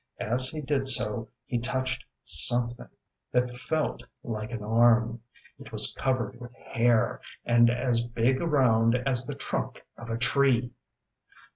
As he did so he touched something that felt like an armŌĆöit was covered with hair and as big round as the trunk of a tree!